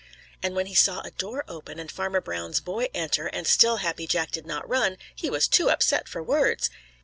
And when he saw a door open and Farmer Brown's boy enter, and still Happy Jack did not run, he was too upset for words.